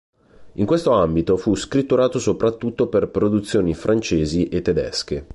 In questo ambito fu scritturato soprattutto per produzioni francesi e tedesche.